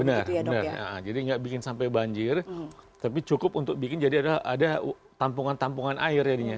benar benar jadi nggak bikin sampai banjir tapi cukup untuk bikin jadi ada tampungan tampungan air jadinya